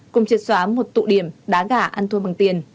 cùng triệt xóa một tụ điểm đá gà ăn thua bằng tiền